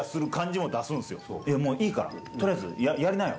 「いやもういいから取りあえずやりなよ」。